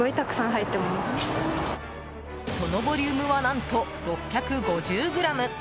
そのボリュームは何と６５０ｇ。